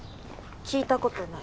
聞いたことない。